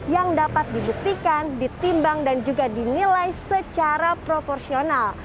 yang dapat dibuktikan ditimbang dan juga dinilai secara proporsional